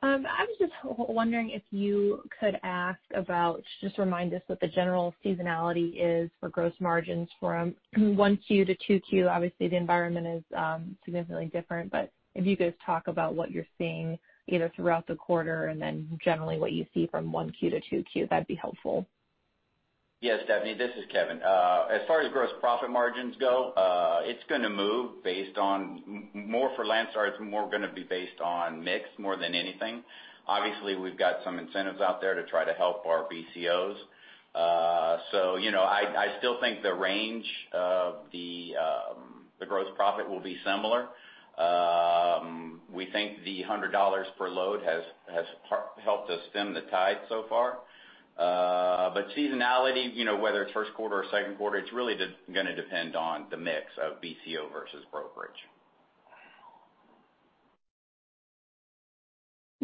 I was just wondering if you could ask about, just remind us what the general seasonality is for gross margins from 1Q to 2Q. Obviously, the environment is significantly different, but if you could just talk about what you're seeing, either throughout the quarter and then generally what you see from 1Q to 2Q, that'd be helpful. Yes, Stephanie, this is Kevin. As far as gross profit margins go, it's going to move based on more for Landstar, it's more going to be based on mix more than anything. Obviously, we've got some incentives out there to try to help our BCOs. So, you know, I still think the range of the gross profit will be similar.... we think the $100 per load has helped us stem the tide so far. But seasonality, you know, whether it's first quarter or second quarter, it's really gonna depend on the mix of BCO versus brokerage.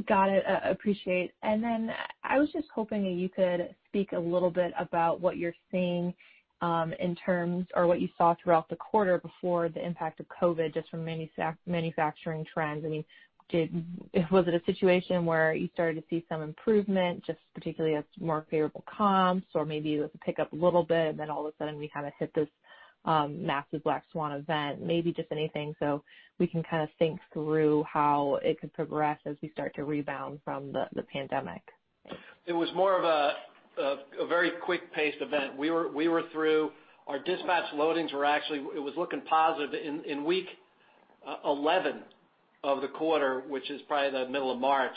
Got it. Appreciate. And then I was just hoping that you could speak a little bit about what you're seeing in terms of what you saw throughout the quarter before the impact of COVID, just from manufacturing trends. I mean, was it a situation where you started to see some improvement, just particularly as more favorable comps, or maybe it was a pick up a little bit, and then all of a sudden we kind of hit this massive black swan event? Maybe just anything, so we can kind of think through how it could progress as we start to rebound from the pandemic. It was more of a very quick-paced event. We were through. Our dispatch loadings were actually looking positive. In week 11 of the quarter, which is probably the middle of March,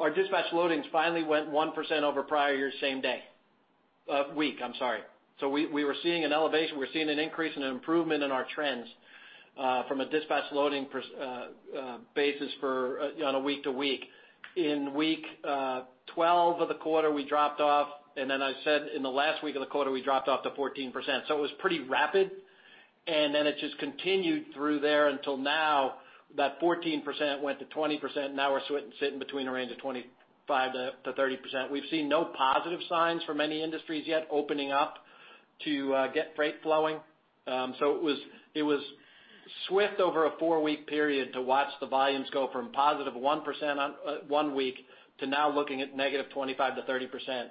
our dispatch loadings finally went 1% over prior year, same week, I'm sorry. So we were seeing an elevation. We were seeing an increase and an improvement in our trends from a dispatch loading perspective on a week-to-week basis. In week 12 of the quarter, we dropped off, and then I said in the last week of the quarter, we dropped off to 14%. So it was pretty rapid, and then it just continued through there until now, that 14% went to 20%. Now, we're sitting between a range of 25%-30%. We've seen no positive signs from any industries yet opening up to get freight flowing. So it was swift over a four-week period to watch the volumes go from positive 1% on one week, to now looking at negative 25%-30%.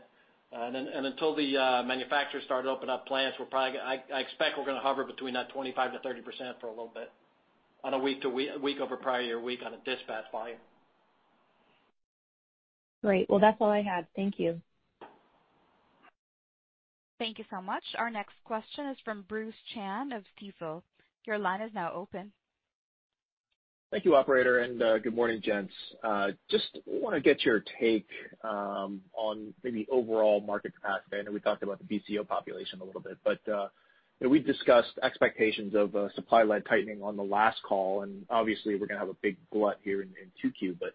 And then until the manufacturers start to open up plants, we're probably. I expect we're going to hover between that 25%-30% for a little bit, on a week-to-week, week over prior year week on a dispatch volume. Great. Well, that's all I had. Thank you. Thank you so much. Our next question is from Bruce Chan of Stifel. Your line is now open. Thank you, operator, and good morning, gents. Just want to get your take on maybe overall market capacity. I know we talked about the BCO population a little bit, but you know, we've discussed expectations of supply-led tightening on the last call, and obviously, we're going to have a big glut here in 2Q. But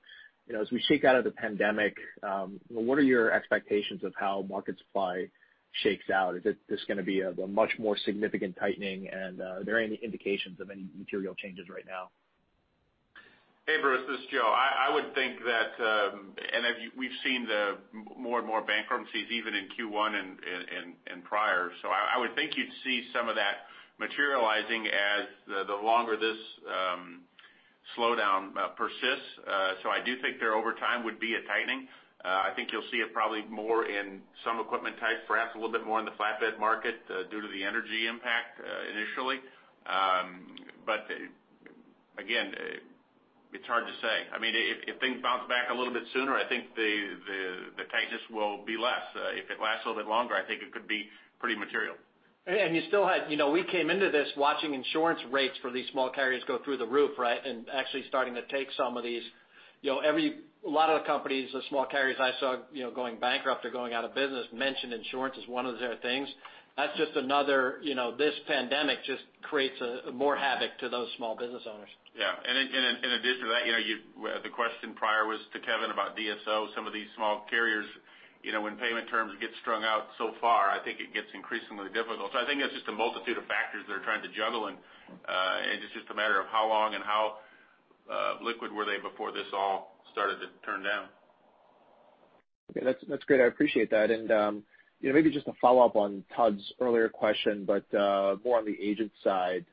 you know, as we shake out of the pandemic, what are your expectations of how market supply shakes out? Is it just going to be a much more significant tightening, and are there any indications of any material changes right now? Hey, Bruce, this is Joe. I would think that, and if we've seen more and more bankruptcies even in Q1 and prior. So I would think you'd see some of that materializing as the longer this slowdown persists. So I do think there, over time, would be a tightening. I think you'll see it probably more in some equipment types, perhaps a little bit more in the flatbed market, due to the energy impact, initially. But again, it's hard to say. I mean, if things bounce back a little bit sooner, I think the tightness will be less. If it lasts a little bit longer, I think it could be pretty material. And you still had... You know, we came into this watching insurance rates for these small carriers go through the roof, right? And actually starting to take some of these, you know, a lot of the companies, the small carriers I saw, you know, going bankrupt or going out of business, mentioned insurance as one of their things. That's just another, you know, this pandemic just creates more havoc to those small business owners. Yeah, and in addition to that, you know, the question prior was to Kevin about DSO. Some of these small carriers, you know, when payment terms get strung out so far, I think it gets increasingly difficult. So I think it's just a multitude of factors they're trying to juggle, and it's just a matter of how long and how liquid were they before this all started to turn down. Okay. That's great. I appreciate that. And, you know, maybe just a follow-up on Todd's earlier question, but more on the agent side.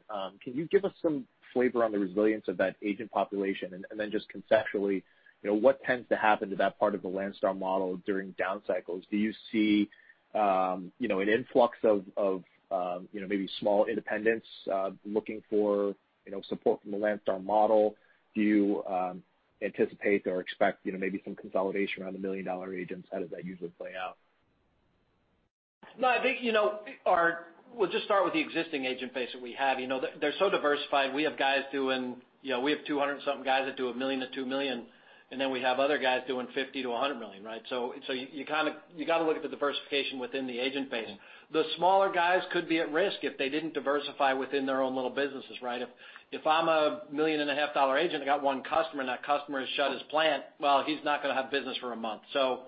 Can you give us some flavor on the resilience of that agent population? And, then just conceptually, you know, what tends to happen to that part of the Landstar model during down cycles? Do you see, you know, an influx of, you know, maybe small independents looking for, you know, support from the Landstar model? Do you anticipate or expect, you know, maybe some consolidation around the million-dollar agent side? How does that usually play out? No, I think, you know, our... We'll just start with the existing agent base that we have. You know, they're so diversified. We have guys doing, you know, we have 200-something guys that do $1 million-$2 million, and then we have other guys doing $50 million-$100 million, right? So you kind of—you got to look at the diversification within the agent base. The smaller guys could be at risk if they didn't diversify within their own little businesses, right? If I'm a $1.5 million agent, I got one customer, and that customer has shut his plant, well, he's not going to have business for a month. So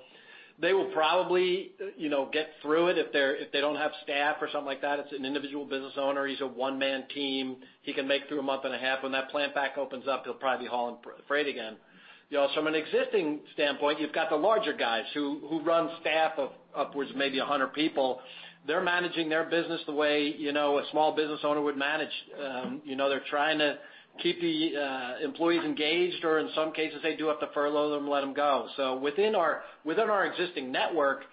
they will probably, you know, get through it if they're—if they don't have staff or something like that, it's an individual business owner. He's a one-man team. He can make it through a month and a half. When that plant back opens up, he'll probably be hauling freight again. You know, so from an existing standpoint, you've got the larger guys who run staff of upwards of maybe 100 people. They're managing their business the way, you know, a small business owner would manage. You know, they're trying to keep the employees engaged, or in some cases, they do have to furlough them, let them go. So within our existing network,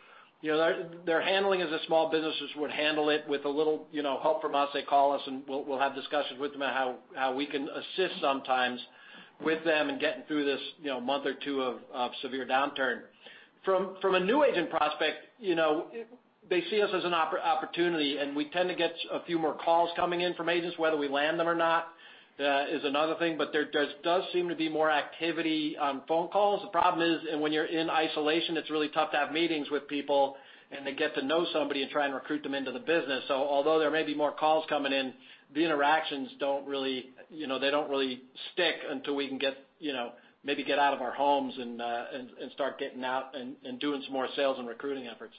you know, they're handling as the small businesses would handle it with a little, you know, help from us. They call us, and we'll have discussions with them on how we can assist sometimes with them in getting through this, you know, month or two of severe downturn. From a new agent prospect, you know, they see us as an opportunity, and we tend to get a few more calls coming in from agents. Whether we land them or not is another thing, but there does seem to be more activity on phone calls. The problem is, when you're in isolation, it's really tough to have meetings with people and to get to know somebody and try and recruit them into the business. So although there may be more calls coming in, the interactions don't really, you know, they don't really stick until we can get, you know, maybe get out of our homes and start getting out and doing some more sales and recruiting efforts.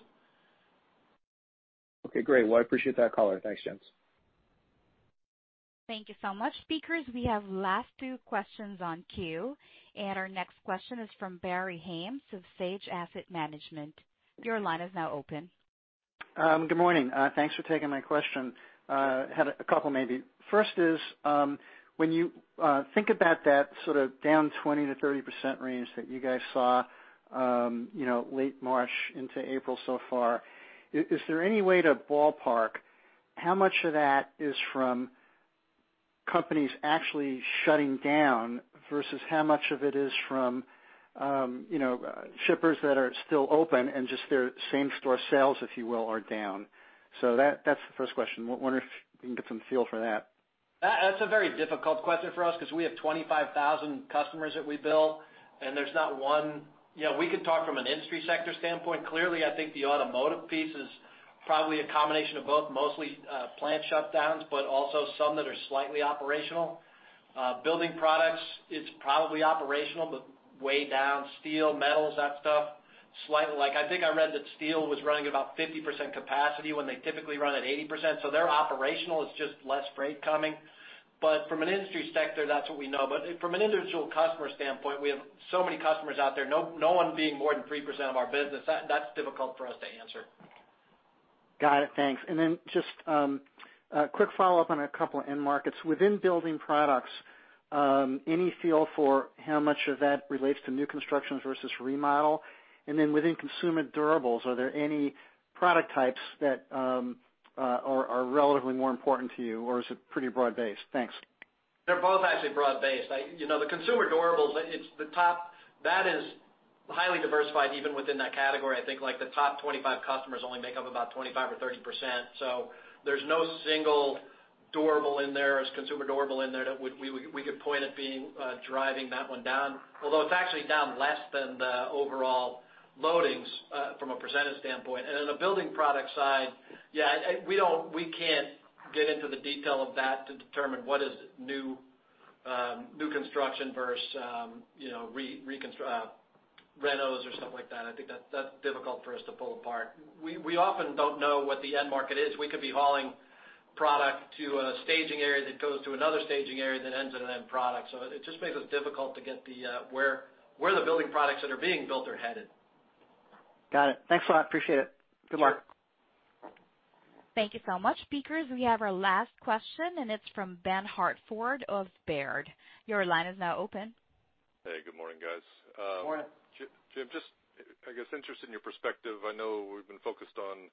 Okay, great. Well, I appreciate that color. Thanks, gents. Thank you so much, speakers. We have last two questions on queue, and our next question is from Barry Haimes of Sage Asset Management. Your line is now open. Good morning. Thanks for taking my question. Had a couple maybe. First is, when you think about that sort of down 20%-30% range that you guys saw, you know, late March into April so far, is there any way to ballpark how much of that is from companies actually shutting down versus how much of it is from, you know, shippers that are still open and just their same store sales, if you will, are down? So that's the first question. Wonder if we can get some feel for that. That's a very difficult question for us, because we have 25,000 customers that we bill, and there's not one... You know, we could talk from an industry sector standpoint. Clearly, I think the automotive piece is probably a combination of both, mostly, plant shutdowns, but also some that are slightly operational. Building products, it's probably operational, but way down. Steel, metals, that stuff, slightly, like, I think I read that steel was running about 50% capacity when they typically run at 80%. So they're operational, it's just less freight coming. But from an industry sector, that's what we know. But from an individual customer standpoint, we have so many customers out there, no, no one being more than 3% of our business. That's difficult for us to answer. Got it. Thanks. And then just a quick follow-up on a couple end markets. Within building products, any feel for how much of that relates to new constructions versus remodel? And then within consumer durables, are there any product types that are relatively more important to you, or is it pretty broad-based? Thanks. They're both actually broad-based. You know, the consumer durables, it's the top, that is highly diversified even within that category. I think, like, the top 25 customers only make up about 25 or 30%. So there's no single durable in there, as consumer durable in there, that we could point at being driving that one down, although it's actually down less than the overall loadings from a percentage standpoint. And in the building product side, yeah, we don't, we can't get into the detail of that to determine what is new construction versus, you know, reconstruction, renos or stuff like that. I think that's difficult for us to pull apart. We often don't know what the end market is. We could be hauling product to a staging area that goes to another staging area, that ends in an end product. So it just makes it difficult to get the, where the building products that are being built are headed. Got it. Thanks a lot. Appreciate it. Good luck. Thank you so much, speakers. We have our last question, and it's from Ben Hartford of Baird. Your line is now open. Hey, good morning, guys. Morning. Jim, just, I guess, interested in your perspective. I know we've been focused on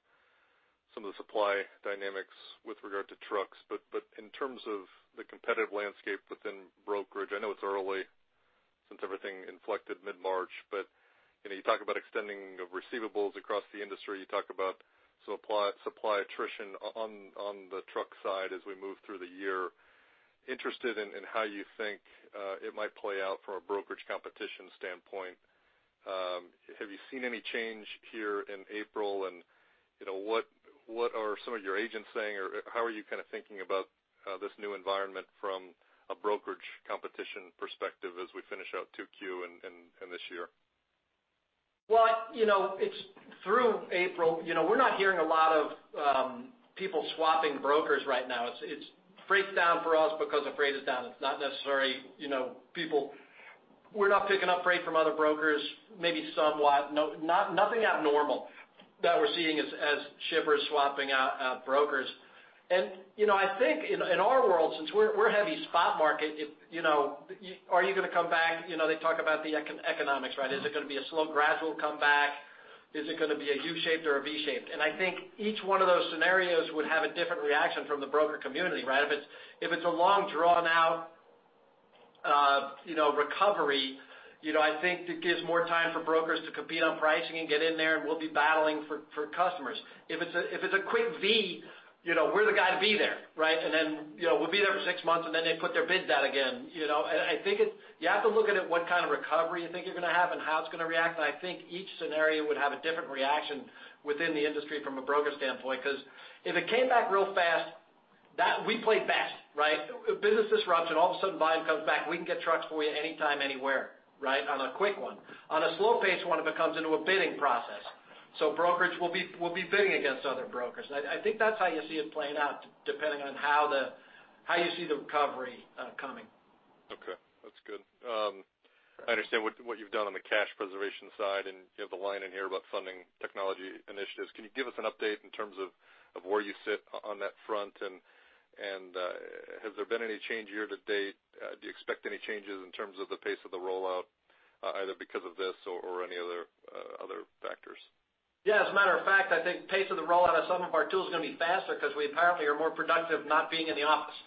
some of the supply dynamics with regard to trucks, but in terms of the competitive landscape within brokerage, I know it's early since everything inflected mid-March, but you know, you talk about extending of receivables across the industry. You talk about supply attrition on the truck side as we move through the year. Interested in how you think it might play out from a brokerage competition standpoint. Have you seen any change here in April? And you know, what are some of your agents saying? Or how are you kind of thinking about this new environment from a brokerage competition perspective as we finish out 2Q and this year? Well, you know, it's through April, you know, we're not hearing a lot of people swapping brokers right now. It's, it's freight's down for us because the freight is down. It's not necessarily, you know, people... We're not picking up freight from other brokers, maybe somewhat. No, nothing abnormal that we're seeing as shippers swapping out brokers. And, you know, I think in our world, since we're heavy spot market, if you know, are you going to come back? You know, they talk about the economics, right? Is it going to be a slow, gradual comeback? Is it going to be a U-shaped or a V-shaped? And I think each one of those scenarios would have a different reaction from the broker community, right? If it's, if it's a long, drawn-out, you know, recovery, you know, I think it gives more time for brokers to compete on pricing and get in there, and we'll be battling for, for customers. If it's a, if it's a quick V, you know, we're the guy to be there, right? And then, you know, we'll be there for six months, and then they put their bids out again, you know. And I think it- you have to look at it, what kind of recovery you think you're going to have and how it's going to react. And I think each scenario would have a different reaction within the industry from a broker standpoint. Because if it came back real fast, that-- we play fast, right? Business disrupts, and all of a sudden, volume comes back. We can get trucks for you anytime, anywhere, right? On a quick one. On a slow-paced one, it becomes into a bidding process, so brokerage will be bidding against other brokers. I think that's how you see it playing out, depending on how you see the recovery coming. Okay. That's good. I understand what you've done on the cash preservation side, and you have a line in here about funding technology initiatives. Can you give us an update in terms of where you sit on that front? And has there been any change year to date? Do you expect any changes in terms of the pace of the rollout, either because of this or any other factors? Yeah, as a matter of fact, I think pace of the rollout of some of our tools is going to be faster because we apparently are more productive not being in the office.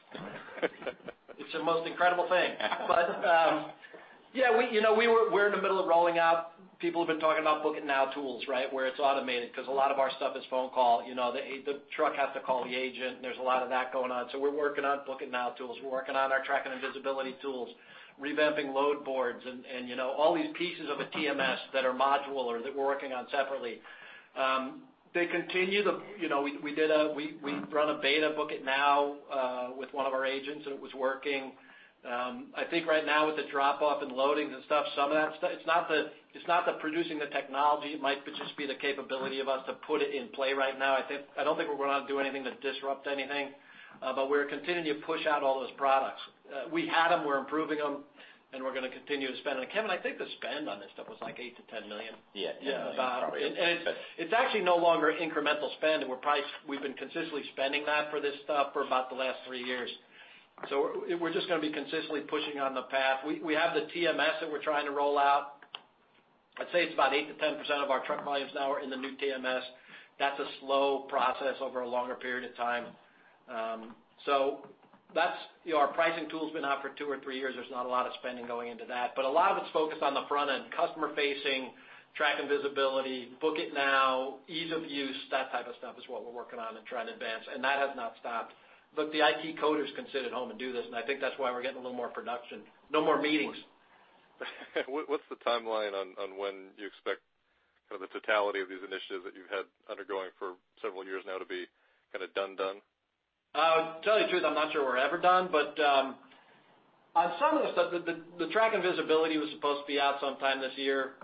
It's the most incredible thing. But, yeah, we, you know, we're in the middle of rolling out, people have been talking about Book It Now tools, right? Where it's automated, because a lot of our stuff is phone call. You know, the truck has to call the agent. There's a lot of that going on. So we're working on Book It Now tools. We're working on our tracking and visibility tools, revamping load boards, and, you know, all these pieces of a TMS that are modular, that we're working on separately.... They continue the, you know, we did a beta Book It Now with one of our agents, and it was working. I think right now with the drop-off in loadings and stuff, some of that stuff, it's not producing the technology. It might just be the capability of us to put it in play right now. I think, I don't think we're going to do anything to disrupt anything, but we're continuing to push out all those products. We had them, we're improving them, and we're going to continue to spend on it. Kevin, I think the spend on this stuff was, like, $8 million-$10 million. Yeah, yeah. About. And it's, it's actually no longer incremental spend, and we're probably—we've been consistently spending that for this stuff for about the last three years. So we're, we're just going to be consistently pushing on the path. We, we have the TMS that we're trying to roll out. I'd say it's about 8%-10% of our truck volumes now are in the new TMS. That's a slow process over a longer period of time. So that's... Our pricing tool's been out for two or three years. There's not a lot of spending going into that, but a lot of it's focused on the front end, customer facing, track and visibility, Book It Now, ease of use, that type of stuff is what we're working on and trying to advance, and that has not stopped. Look, the IT coders can sit at home and do this, and I think that's why we're getting a little more production. No more meetings. What's the timeline on when you expect kind of the totality of these initiatives that you've had undergoing for several years now to be kind of done? To tell you the truth, I'm not sure we're ever done, but on some of the stuff, the track and visibility was supposed to be out sometime this year.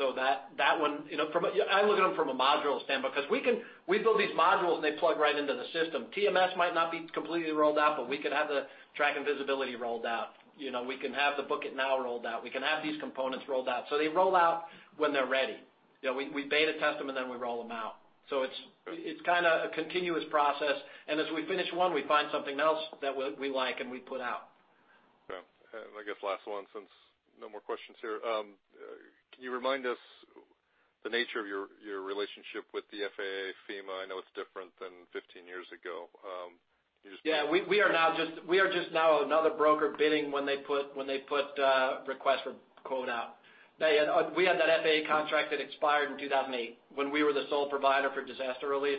So that one, you know, from a module standpoint, because we can, we build these modules, and they plug right into the system. TMS might not be completely rolled out, but we could have the track and visibility rolled out. You know, we can have the Book It Now rolled out. We can have these components rolled out. So they roll out when they're ready. You know, we beta test them, and then we roll them out. So it's kind of a continuous process, and as we finish one, we find something else that we like, and we put out. Yeah. And I guess last one, since no more questions here. Can you remind us the nature of your, your relationship with the FAA, FEMA? I know it's different than 15 years ago. Can you just- Yeah, we are now just—we are just now another broker bidding when they put requests for quote out. They had... We had that FAA contract that expired in 2008, when we were the sole provider for disaster relief.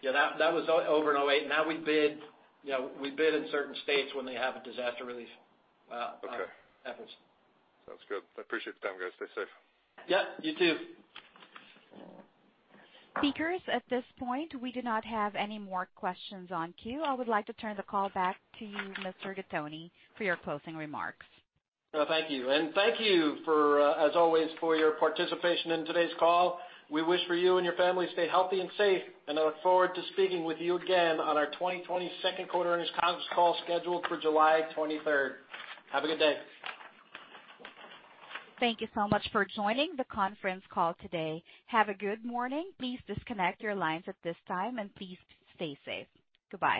Yeah, that was over in 2008. Now we bid, you know, we bid in certain states when they have a disaster relief. Okay. Efforts. Sounds good. I appreciate the time, guys. Stay safe. Yeah, you, too. Speakers, at this point, we do not have any more questions in the queue. I would like to turn the call back to you, Mr. Gattoni, for your closing remarks. Well, thank you, and thank you for, as always, for your participation in today's call. We wish for you and your family to stay healthy and safe, and I look forward to speaking with you again on our 2020 second quarter earnings conference call, scheduled for July twenty-third. Have a good day. Thank you so much for joining the conference call today. Have a good morning. Please disconnect your lines at this time, and please stay safe. Goodbye.